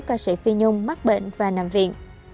thì cố ca sĩ phi nhung mắc bệnh và nằm viện